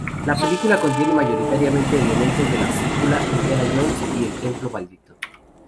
La película contiene mayoritariamente elementos de la película "Indiana Jones y el templo maldito".